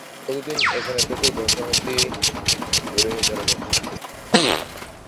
প্রতিদিন এখানে প্রচুর দর্শনার্থী ঘুরে বেড়াতে আসেন।